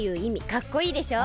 かっこいいでしょ？